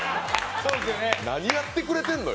何やってくれてんのよ！